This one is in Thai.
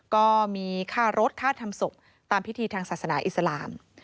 ก็มีค่ารถค่าทำศพตามพิธีทางศาสนาอิสลาม